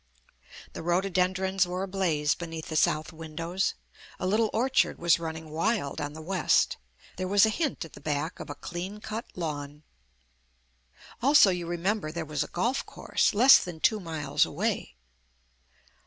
The rhododendrons were ablaze beneath the south windows; a little orchard was running wild on the west; there was a hint at the back of a clean cut lawn. Also, you remember, there was a golf course, less than two miles away.